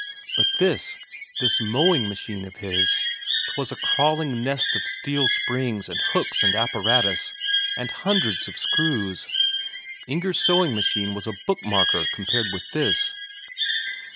But this this mowing machine of his 'twas a crawling nest of steel springs and hooks and apparatus, and hundreds of screws Inger's sewing machine was a bookmarker compared with this!